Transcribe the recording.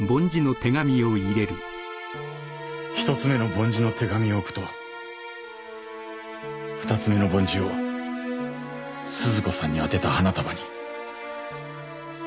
１つ目の梵字の手紙を置くと２つ目の梵字を鈴子さんに宛てた花束に。